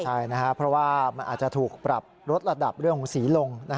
ใช่นะครับเพราะว่ามันอาจจะถูกปรับลดระดับเรื่องของสีลง